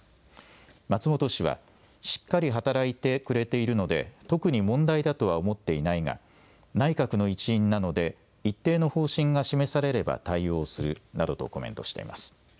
松本氏はしっかり働いてくれているので特に問題だとは思っていないが内閣の一員なので一定の方針が示されれば対応するなどとコメントしています。